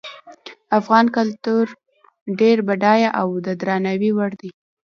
افغان کلتور ډیر بډایه او د درناوي وړ ده